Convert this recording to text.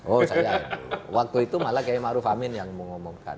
oh saya nu waktu itu malah kiai ma'ruf amin yang mengumumkan